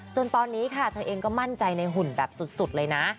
จนตอนนี้ค่ะเธอเองก็มั่นใจในหุ่นแบบสุดเลยนะ